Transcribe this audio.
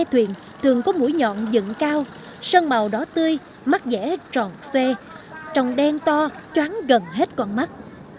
thường có mũi nhọn dựng cao sơn màu đỏ tươi mắt dẻ tròn xê tròng đen to chóng gần hết con mắt